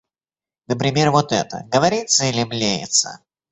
Например, вот это — говорится или блеется?